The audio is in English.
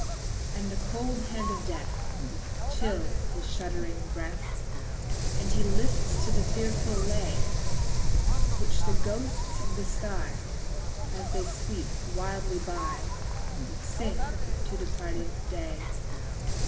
2. And the cold hand of death Chills his shuddering breath, As he lists to the fearful lay Which the ghosts of the sky, _10 As they sweep wildly by, Sing to departed day.